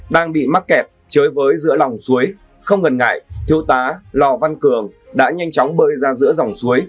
đang bị mắc kẹt chơi với giữa lòng suối không ngần ngại thiếu tá lò văn cường đã nhanh chóng bơi ra giữa dòng suối